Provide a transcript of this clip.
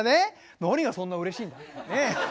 「何がそんなうれしいんだ？」。